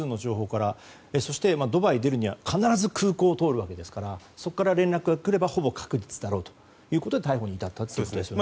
そして、ドバイを出るには必ず空港を通るわけですからそこから連絡がくれば確実だろうということで逮捕に至ったということですね。